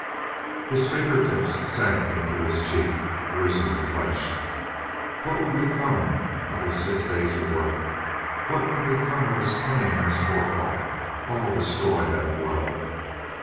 His fingertips sank into his cheek, bruising the flesh. What would become of his six days of work? What would become of his cunning and his forethought? All destroyed at a blow.